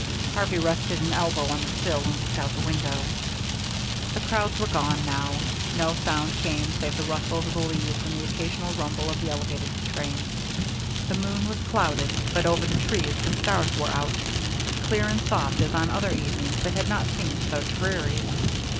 Harvey rested an elbow on the sill and looked out the window. The crowds were gone now. No sound came save the rustle of the leaves and the occasional rumble of the elevated trains. The moon was clouded, but over the trees the stars were out, as clear and soft as on other evenings that had not seemed so dreary.